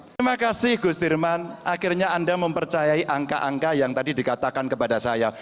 terima kasih gus dirman akhirnya anda mempercayai angka angka yang tadi dikatakan kepada saya